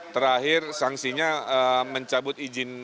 terakhir sanksinya mencabut izin